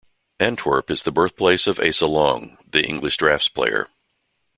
Antwerp is the birthplace of Asa Long, the English draughts player.